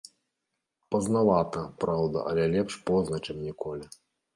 Пазнавата, праўда, але лепш позна, чым ніколі.